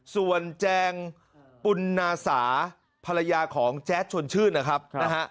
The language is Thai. ส่วนแจงปุณนาสาภรรยาของแจ๊ดชวนชื่นนะครับนะฮะ